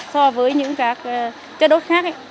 so với những các chất đốt khác